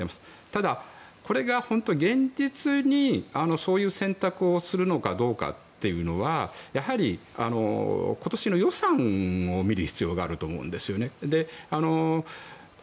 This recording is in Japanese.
ただ、これが本当に現実にそういう選択をするのかどうかというのはやはり、今年の予算を見る必要があると思うんですね。